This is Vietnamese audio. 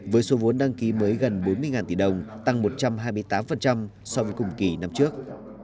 với số vốn đăng ký mới gần bốn mươi tỷ đồng tăng một trăm hai mươi tám so với cùng kỳ năm trước